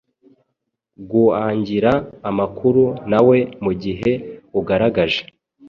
guangira amakuru nawe Mugihe ugaragaje